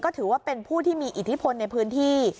ถือว่าเป็นผู้ที่มีอิทธิพลในพื้นที่